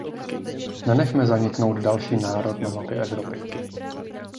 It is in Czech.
Nenechme zaniknout další národ na mapě Evropy.